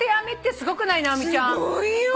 すごいよ。